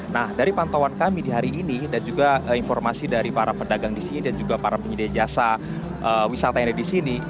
nah dari pantauan kami di hari ini dan juga informasi dari para pedagang di sini dan juga para penyedia jasa wisata yang ada di sini